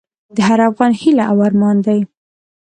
د هر افغان هیله او ارمان دی؛